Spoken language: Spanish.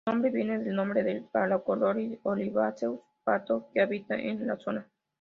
Su nombre viene del nombre del "Phalacrocorax olivaceus", pato que habita en la zona.